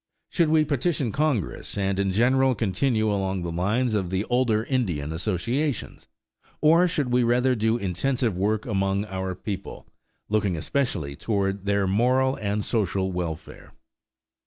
Should we petition Congress and in general continue along the lines of the older Indian associations? Or should we rather do intensive work among our people, looking especially toward their moral and social welfare?